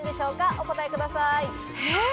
お答えください。